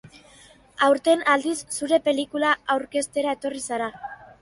Aurten, aldiz, zure pelikula aurkeztera etorri zara.